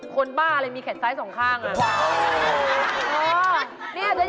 คนบ้าเลยมีแขนซ้ายสองข้างน่ะ